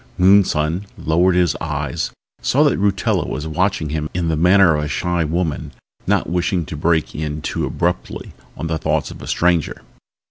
Moonson lowered his eyes, saw that Rutella was watching him in the manner of a shy woman not wishing to break in too abruptly on the thoughts of a stranger.